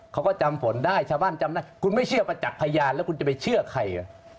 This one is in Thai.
เขาก็จำฝนได้ชาวบ้านจำได้คุณไม่เชื่อประจักษ์พยานแล้วคุณจะไปเชื่อใคร